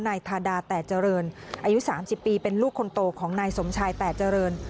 นายทาดาแต่เจริญอายุ๓๐ปีเป็นลูกคนโตของนายสมชายแต่เจริญ